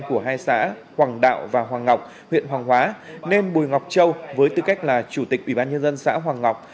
của hai xã hoàng đạo và hoàng ngọc huyện hoàng hóa nên mùi ngọc châu với tư cách là chủ tịch ủy ban nhân dân xã hoàng ngọc